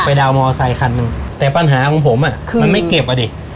ดาวนมอเซคันหนึ่งแต่ปัญหาของผมอ่ะคือมันไม่เก็บอ่ะดิ